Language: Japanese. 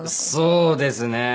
そうですね。